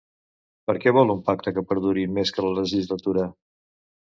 Per què vol un pacte que perduri més que la legislatura?